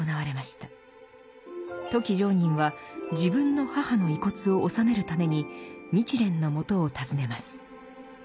富木常忍は自分の母の遺骨を納めるために日蓮のもとを訪ねます。